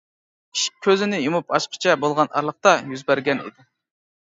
ئىش كۆزنى يۇمۇپ ئاچقىچە بولغان ئارىلىقتا يۈز بەرگەن ئىدى.